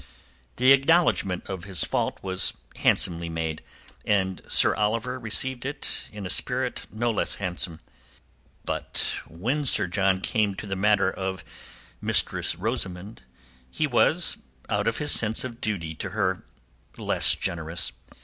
The acknowledgment of his fault was handsomely made, and Sir Oliver received it in a spirit no less handsome. But when Sir John came to the matter of Mistress Rosamund he was, out of his sense of duty to her, less generous.